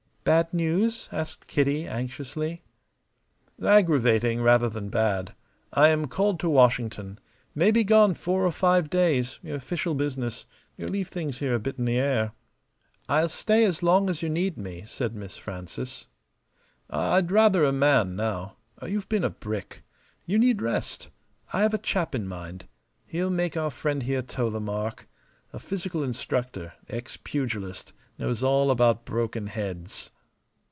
"Bad news?" asked Kitty, anxiously. "Aggravating rather than bad. I am called to Washington. May be gone four or five days. Official business. Leaves things here a bit in the air." "I'll stay as long as you need me," said Miss Frances. "I'd rather a man now. You've been a brick. You need rest. I've a chap in mind. He'll make our friend here toe the mark. A physical instructor, ex pugilist; knows all about broken heads."